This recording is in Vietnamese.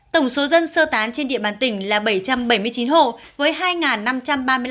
tổng số dân sơ tán trên địa bàn tỉnh là bảy trăm bảy mươi chín hộ với hai năm trăm ba mươi năm nhân khẩu